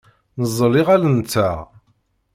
Neẓẓel iɣallen-nteɣ.